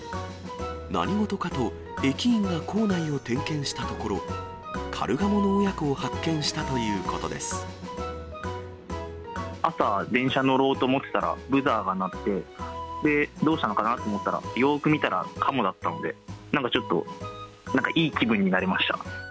何事かと、駅員が構内を点検したところ、カルガモの親子を発見したという朝、電車乗ろうと思ったら、ブザーが鳴って、で、どうしたのかなと思ったら、よーく見たらカモだったんで、なんかちょっとなんかいい気分になれました。